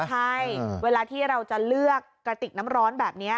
ใช่เวลาที่เราจะเลือกกระติกน้ำร้อนแบบนี้